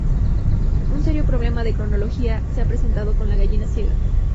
Un serio problema de cronología se ha presentado con 'La gallina ciega'.